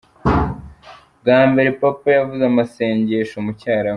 Bwa mbere Papa yavuze amasengesho mu Cyarabu